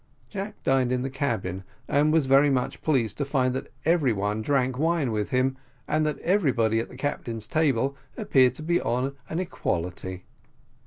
Jack dined in the cabin, and was very much pleased to find that every one drank wine with him, and that everybody at the captain's table appeared to be on an equality.